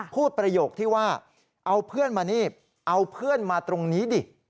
ประโยคที่ว่าเอาเพื่อนมานี่เอาเพื่อนมาตรงนี้ดิ